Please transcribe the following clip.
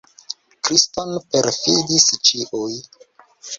Kriston perfidis ĉiuj.